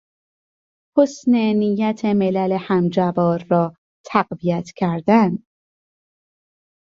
حسن نیت ملل همجوار را تقویت کردن